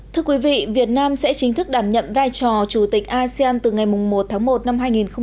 thưa quý vị việt nam sẽ chính thức đảm nhận vai trò chủ tịch asean từ ngày một tháng một năm hai nghìn hai mươi